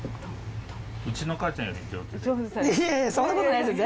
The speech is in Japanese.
いやいやそんな事ないですよ！